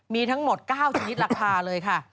มีทั้งหมด๙ชนิดราคาเลยค่ะ